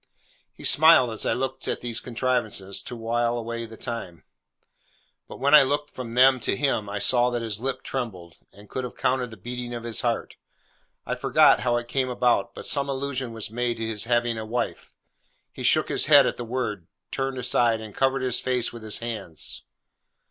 He smiled as I looked at these contrivances to while away the time; but when I looked from them to him, I saw that his lip trembled, and could have counted the beating of his heart. I forget how it came about, but some allusion was made to his having a wife. He shook his head at the word, turned aside, and covered his face with his hands.